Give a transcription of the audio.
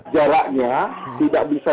jaraknya tidak bisa